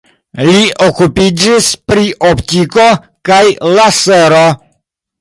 Li okupiĝis pri optiko kaj lasero.